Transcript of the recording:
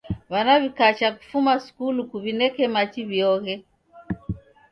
W'ana wikacha kufuma skulu kuw'ineke machi wioghe.